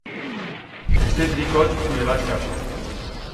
Este tricot me va escaso.